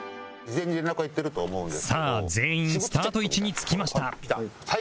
さあ全員スタート位置につきました